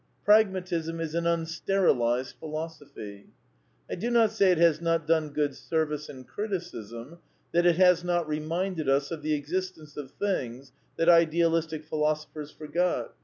Pragmatism is an unsterilized Philosophy. I do not say it has not done good service in criticism ; that it has not reminded us of the existence of things that idealistic philosophers forget.